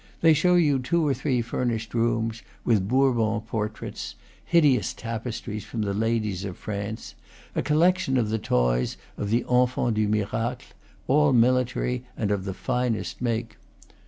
They show you two or three furnished rooms, with Bourbon portraits, hideous tapestries from the ladies of France, a collection of the toys of the enfant du miracle, all military and of the finest make.